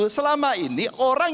karena saya berpengalaman bu